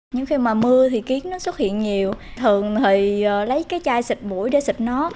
những khi mà mưa thì kiến nó xuất hiện nhiều thường thì lấy cái chai xịt mũi để xịt nó